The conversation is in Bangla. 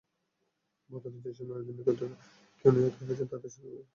বদরে যেসব নারীদের নিকটতর কেউ নিহত হয়েছে তাদের সাথে ব্যুহের পশ্চাতে দাঁড়াবে।